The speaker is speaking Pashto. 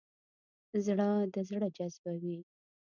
زړه د زړه جذبوي.